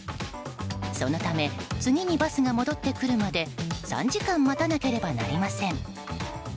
そのため次にバスが戻ってくるまで３時間待たなければなりません。